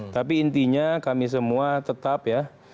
tapi intinya kami semua tetap ya